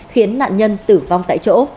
khiến nạn nhân tử vong tại chỗ